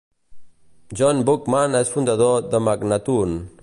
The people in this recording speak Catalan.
John Buckman és fundador de Magnatune.